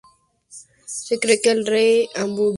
Se cree que el rey Hammurabi era descendiente de amorreos.